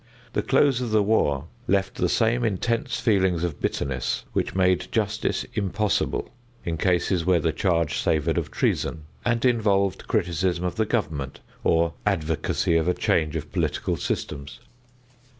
The close of the war left the same intense feelings of bitterness which made justice impossible in cases where the charge savored of treason, and involved criticism of the government, or advocacy of a change of political systems.